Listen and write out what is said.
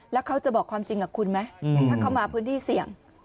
แล้วเขาจะบอกความจริงกับคุณไหมถ้าเขามาพื้นที่เสี่ยง